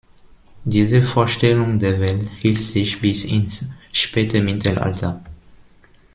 Diese Vorstellung der Welt hielt sich bis ins späte Mittelalter.